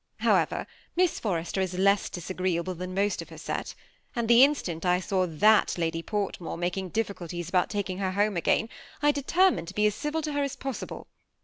However, Miss Forrester is less disagreeable than most of her set ; and the in stant I saw that Lady Portmore making difficulties about taking her home again, I determined to be as civil to her as possible.